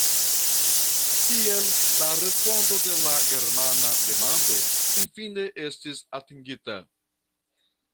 Tiel la respondo de la germana demando finfine estis atingita.